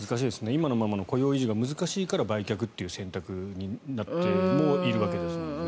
今のままの雇用維持が難しいから売却という選択になっているわけですもんね。